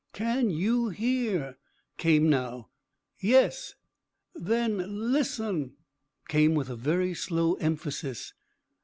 "Can you hear?" came now. "Yes." "Then listen," came with very slow emphasis.